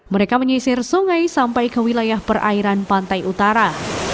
mereka menyisir sungai sampai ke wilayah perairan pantai utara